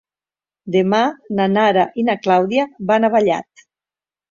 Demà na Nara i na Clàudia van a Vallat.